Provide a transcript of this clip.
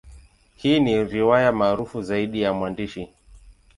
Hii ni riwaya maarufu zaidi ya mwandishi.